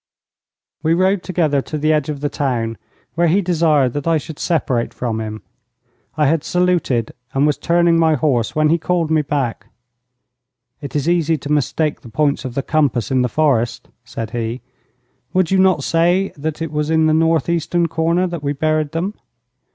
We rode together to the edge of the town, where he desired that I should separate from him. I had saluted, and was turning my horse, when he called me back. 'It is easy to mistake the points of the compass in the forest,' said he. 'Would you not say that it was in the north eastern corner that we buried them?'